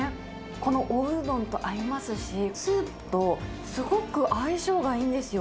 このおうどんと合いますし、スープとすごく相性がいいんですよ。